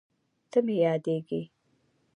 ته مې یادېږې